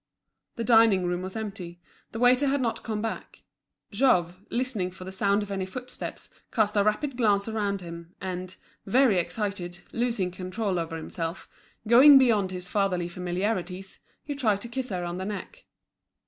The dining room was empty, the waiter had not come back. Jouve, listening for the sound of any footsteps, cast a rapid glance around him; and, very excited, losing control over himself, going beyond his fatherly familiarities, he tried to kiss her on the neck.